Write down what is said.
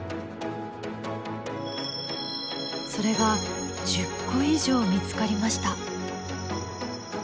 それが１０個以上見つかりました。